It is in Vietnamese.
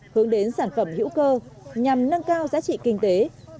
hướng đến sản phẩm hữu cơ nhằm nâng cao giá trị kinh tế